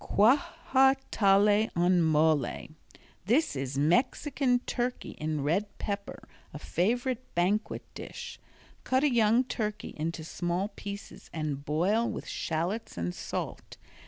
Quajatale En Mole This is Mexican Turkey in Red Pepper, a favorite banquet dish. Cut a young turkey into small pieces and boil with shallots and salt.